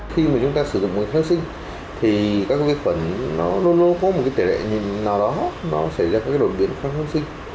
khi chúng ta sử dụng kháng sinh các vi khuẩn luôn luôn có một tỷ lệ nào đó xảy ra đột biện kháng sinh